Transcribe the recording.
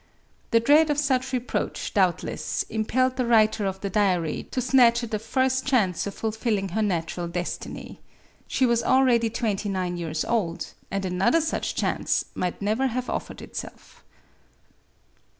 The dread of such reproach, doubtless, impelled the writer of the diary to snatch at the first chance of fulfilling her natural destiny. She was already twenty nine years old ;— another such chance might never have offered itself.